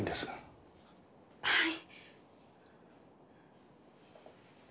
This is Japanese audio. はい。